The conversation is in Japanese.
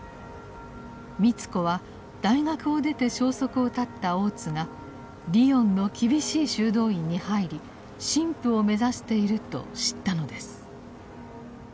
美津子は大学を出て消息を絶った大津がリヨンの厳しい修道院に入り神父を目指していると知ったのです。